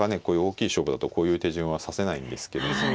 こういう大きい勝負だとこういう手順は指せないんですけども。